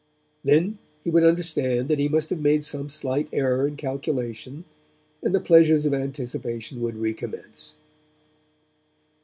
Then he would understand that he must have made some slight error in calculation, and the pleasures of anticipation would recommence.